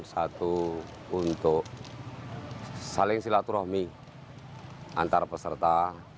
satu untuk saling silaturahmi antara peserta